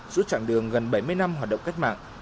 suốt chặng đường gần bảy mươi năm hoạt động cách mạng